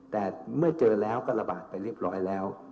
แต่เมื่อเจอแล้วก็ระบาดไปเรียบร้อยแล้ว